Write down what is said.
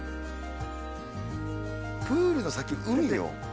プールの先、海よ。